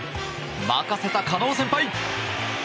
任せた、カノ先輩！